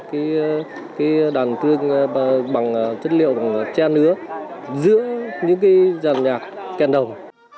cái đàn trưng bằng chất liệu tre nứa giữa những cái giàn nhạc kèn đồng